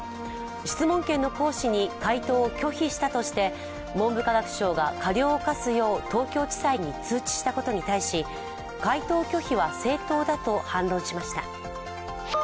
質問権の行使に回答を拒否したとして文部科学省が過料を科すよう東京地裁に通知したことに対し、回答拒否は正当だと反論しました。